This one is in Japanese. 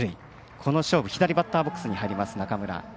この勝負左バッターボックスに入ります、中村。